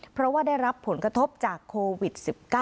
เพราะว่าได้รับผลกระทบจากโควิด๑๙